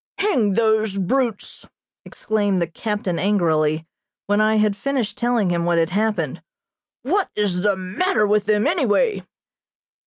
"Hang those brutes!" exclaimed the captain angrily, when I had finished telling him what had happened. "What is the matter with them, any way?"